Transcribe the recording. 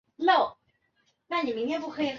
连接点称为节点。